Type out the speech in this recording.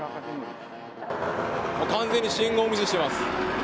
完全に信号を無視しています。